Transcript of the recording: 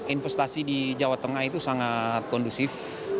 investasi di jawa tengah itu sangat kondusif